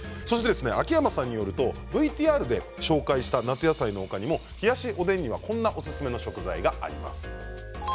秋山さんによるとＶＴＲでご紹介した夏野菜の他にも冷やしおでんにはこんなおすすめの食材があります。